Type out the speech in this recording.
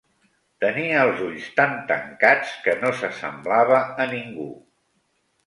Tenia els ulls tan tancats, que no s'assemblava a ningú.